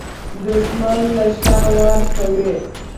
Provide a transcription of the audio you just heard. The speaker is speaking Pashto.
دښمن له شا وار کوي